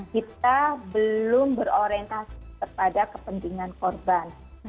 kita belum berorientasi kepada kepentingan korban